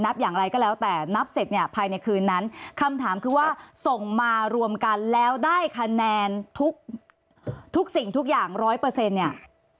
อย่างไรก็แล้วแต่นับเสร็จเนี่ยภายในคืนนั้นคำถามคือว่าส่งมารวมกันแล้วได้คะแนนทุกทุกสิ่งทุกอย่างร้อยเปอร์เซ็นต์เนี่ย